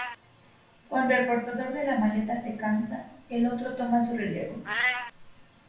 Cuando el portador de la maleta se cansa, el otro toma su relevo.